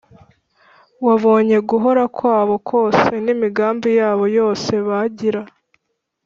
Wabonye guhōra kwabo kose, N’imigambi yabo yose bangīra.